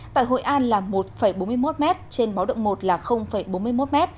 tại hội an là một bốn mươi một m trên báo động một là bốn mươi một m